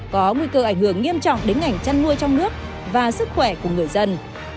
có nguy cơ ảnh hưởng nghiêm trọng đến ngành chăn nuôi trong nước và sức khỏe của người dân